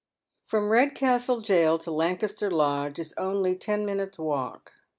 From Redcastle Jail to Lancaster Lodge is only ten minutes' walk.